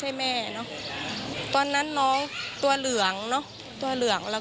อย่างเรา